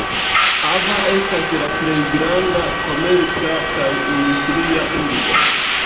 Aba estas la plej granda komerca kaj industria urbo.